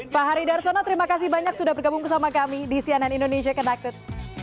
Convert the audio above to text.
pak hari darsono terima kasih banyak sudah bergabung bersama kami di cnn indonesia connected